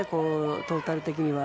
トータル的には。